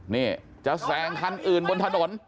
นี่จะแสงคันอื่นบนถนน